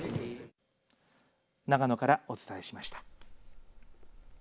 長野からお伝えしました。